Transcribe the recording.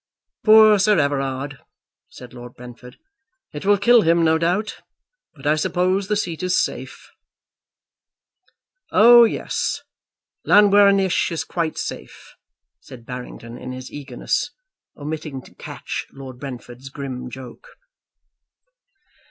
"Poor Sir Everard!" said Lord Brentford. "It will kill him, no doubt, but I suppose the seat is safe." "Oh, yes; Llanwrwsth is quite safe," said Barrington, in his eagerness omitting to catch Lord Brentford's grim joke.